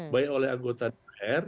baik oleh anggota dpr